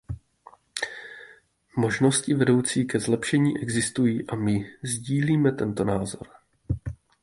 Možnosti vedoucí ke zlepšení existují a my sdílíme tento názor.